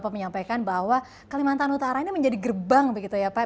menyampaikan bahwa kalimantan utara ini menjadi gerbang begitu ya pak